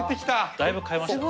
だいぶ変えましたね。